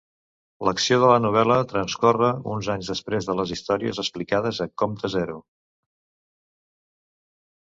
L'acció de la novel·la transcorre uns anys després de les històries explicades a Comte Zero.